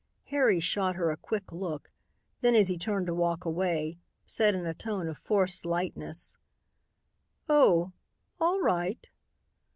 Harry shot her a quick look, then as he turned to walk away, said in a tone of forced lightness: "Oh! All right."